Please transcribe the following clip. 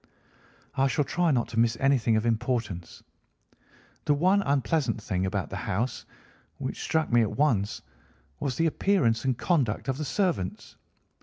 "I shall try not to miss anything of importance. The one unpleasant thing about the house, which struck me at once, was the appearance and conduct of the servants.